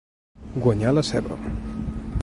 Guanyar la ceba.